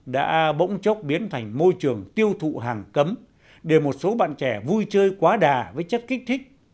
đã bỗng chốc biến thành môi trường tiêu thụ hàng cấm để một số bạn trẻ vui chơi quá đà với chất kích thích